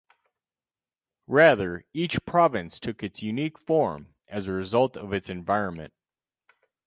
Rather, each province took its unique form as a result of its environment.